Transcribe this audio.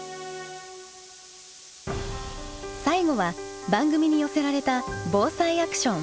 最後は番組に寄せられた防災アクション。